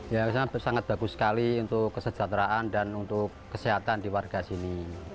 ya sangat bagus sekali untuk kesejahteraan dan untuk kesehatan di warga sini